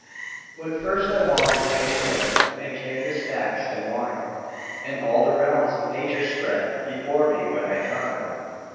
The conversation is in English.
What first I want is daily bread And canvas backs, and wine And all the realms of nature spread Before me, when I dine.